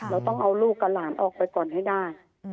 เราต้องเอาลูกกับหลานออกไปก่อนให้ได้